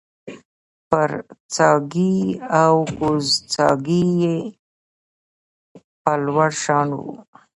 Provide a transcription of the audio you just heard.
برڅاګی او کوزڅاګی یې په لوړ شان و